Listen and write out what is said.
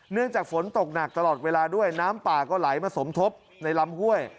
เนื่องจากฝนตกหนักตลอดเวลาด้วยน้ำป่าก็ไหลมาสมทบในลำห้วย